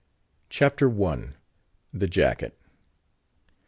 CHAPTER I. THE JACKET.